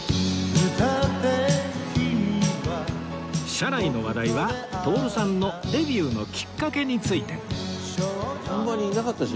車内の話題は徹さんのデビューのきっかけについて